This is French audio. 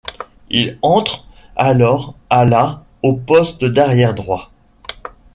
Il entre alors à la au poste d'arrière droit.